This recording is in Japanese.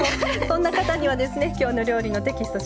そんな方にはですね「きょうの料理」のテキスト